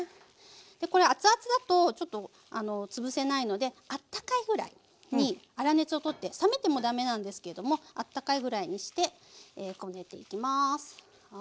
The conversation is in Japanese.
これ熱々だとちょっとつぶせないのであったかいぐらいに粗熱をとって冷めてもダメなんですけどもあったかいぐらいにしてこねていきます。